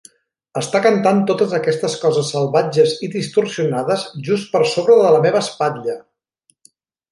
Està cantant totes aquestes coses salvatges i distorsionades just per sobre de la meva espatlla!